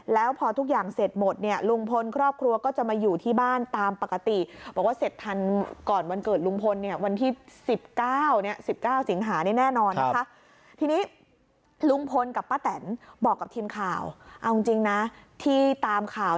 ลุงพลกับป้าแตนบอกกับทีมข่าวเอาจริงนะที่ตามข่าว